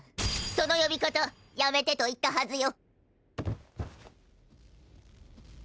その呼び方やめてと言ったハズよ。